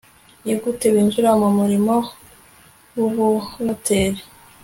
ni gute binjira mu murimo w'ubunoteri